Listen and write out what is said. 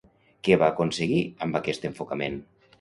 Què va aconseguir amb aquest enfocament?